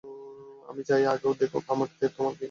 আমি চাই ও আগে দেখুক আমি তোমার কি হাল করতে যাচ্ছি।